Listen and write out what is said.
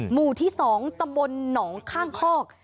หมู่ที่๒ตะบนหน๋อข้างคอก